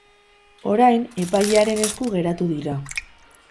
Orain, epailearen esku geratu dira.